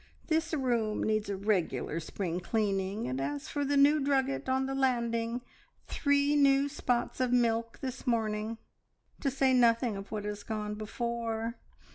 This room needs a regular spring cleaning, and as for the new drugget on the landing three new spots of milk this morning, to say nothing of what has gone before!